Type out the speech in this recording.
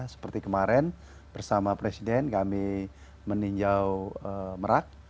seperti kemarin bersama presiden kami meninjau merak